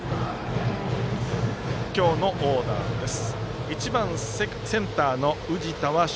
今日のオーダーです。